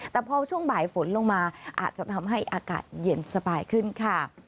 แต่พอช่วงบ่ายฝนลงมาอาจจะทำให้อากาศเย็นสบายขึ้นค่ะ